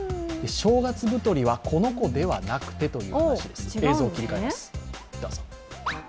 正月太りはこの子ではなくてという話です。